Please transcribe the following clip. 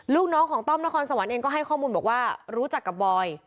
ลูกน้องของต้อมนครสวรรค์เองก็ให้ข้อมูลบอกว่ารู้จักกับบอย